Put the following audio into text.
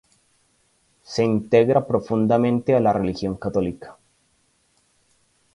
Se integra profundamente a la religión católica.